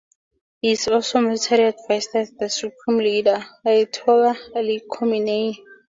He is also military advisor to the Supreme Leader, Ayatollah Ali Khamenei.